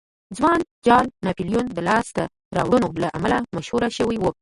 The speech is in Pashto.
ځوان جال ناپلیون د لاسته راوړنو له امله مشهور شوی و.